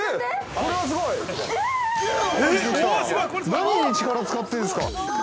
何に力使ってるんですか。